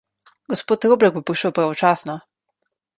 Gospod Roblek bo prišel pravočasno.